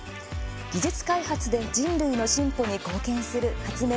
技術開発で人類の進歩に貢献する発明